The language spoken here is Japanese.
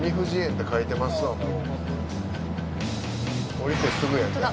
降りてすぐやったら。